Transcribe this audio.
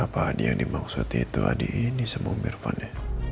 apa adi yang dimaksud itu adi ini semua irfan ya